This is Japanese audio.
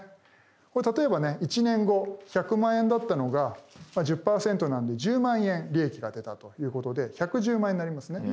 これ例えばね１年後１００万円だったのが１０％なので１０万円利益が出たということで１１０万円になりますね。